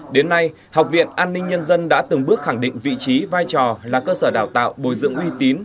đến nay học viện an ninh nhân dân đã từng bước khẳng định vị trí vai trò là cơ sở đào tạo bồi dưỡng uy tín